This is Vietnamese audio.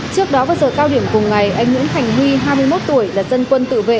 trước đó vào giờ cao điểm cùng ngày anh nguyễn thành huy hai mươi một tuổi là dân quân tự vệ